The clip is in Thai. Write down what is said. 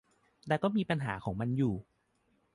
แต่ก็มีปัญหาของมันอยู่